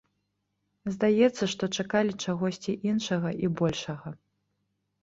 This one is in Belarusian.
Здаецца, што чакалі чагосьці іншага і большага.